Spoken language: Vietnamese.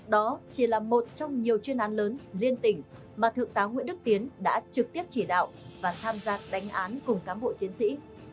đó chỉ là một trong nhiều chuyên án lớn liên tỉnh mà thượng tá nguyễn đức tiến đã trực tiếp chỉ đạo và tham gia đánh án cùng cán bộ chiến sĩ